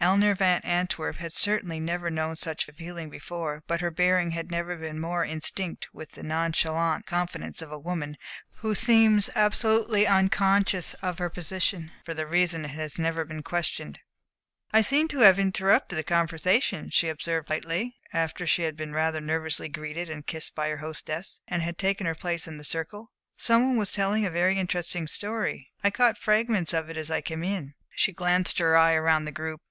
Eleanor Van Antwerp had certainly never known such a feeling before, but her bearing had never been more instinct with the nonchalant confidence of a woman who seems absolutely unconscious of her position, for the reason that it has never been questioned. "I seem to have interrupted the conversation," she observed, lightly, after she had been rather nervously greeted and kissed by her hostess, and had taken her place in the circle. "Some one was telling a very interesting story I caught fragments of it as I came in." She glanced her eye round the group.